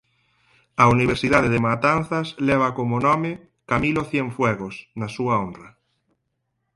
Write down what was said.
A Universidade de Matanzas leva como nome "Camilo Cienfuegos" na súa honra.